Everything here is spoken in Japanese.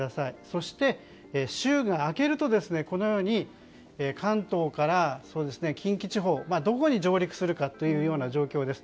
そして、週が明けるとこのように関東から近畿地方どこに上陸するかという状況です。